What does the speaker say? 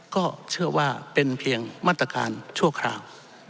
ก็เชื่อว่าเป็นเพียงมาตรการชั่วคราว